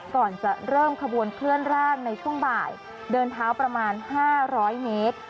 ก่อนจะเริ่มขบวนเคลื่อนร่างในช่วงบ่ายเดินเท้าประมาณ๕๐๐เมตร